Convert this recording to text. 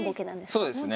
そうですね。